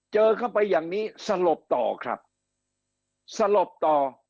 เจอเข้าไปอย่างนี้สลบต่อครับสลบต่อ